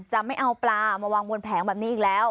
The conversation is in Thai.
จะไม่เอาปลามาวางบนแผงแบบนี้อีกแล้ว